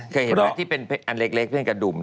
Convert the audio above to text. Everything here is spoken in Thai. เคยเห็นไหมที่เป็นอันเล็กเป็นกระดุม